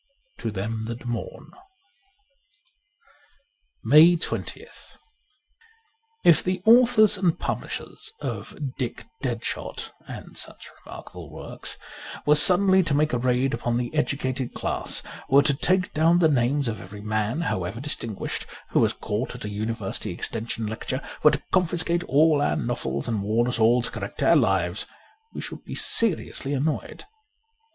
* To Them that Mourn.^ 153 MAY 20th IF the authors and publishers of ' Dick Dead shot,' and such remarkable works, were suddenly to make a raid upon the educated class, were to take down the names of every man, however distinguished, who was caught at a University Extension Lecture, were to confiscate all our novels and warn us all to correct our lives, we should be seriously annoyed.